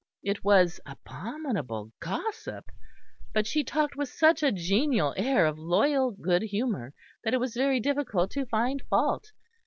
It was abominable gossip; but she talked with such a genial air of loyal good humour, that it was very difficult to find fault.